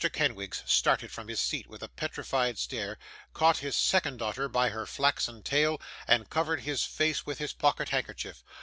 Kenwigs started from his seat with a petrified stare, caught his second daughter by her flaxen tail, and covered his face with his pocket handkerchief.